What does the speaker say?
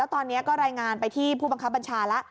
ตอนนี้ก็รายงานไปที่ผู้บังคับบัญชาแล้ว